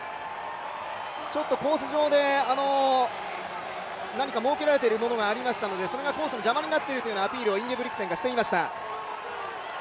ちょっとコース上で何か設けられているものがありましたので、それがコースの邪魔になっているというようなアピールをインゲブリクセンがしていました。